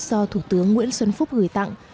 do thủ tướng nguyễn xuân phúc gửi tặng